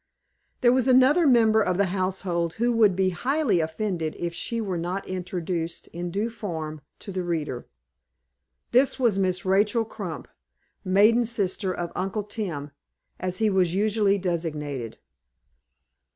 There was another member of the household who would be highly offended if she were not introduced, in due form, to the reader. This was Miss Rachel Crump, maiden sister of Uncle Tim, as he was usually designated.